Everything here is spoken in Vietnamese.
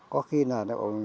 có khi là